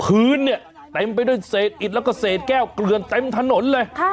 พื้นเนี่ยเต็มไปด้วยเศษอิดแล้วก็เศษแก้วเกลือนเต็มถนนเลย